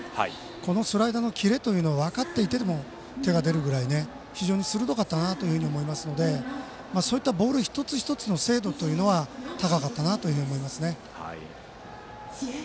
このスライダーのキレというのを分かっていても手が出るくらい非常に鋭かったなと思いますのでそういったボール一つ一つの精度は高かったなと思います。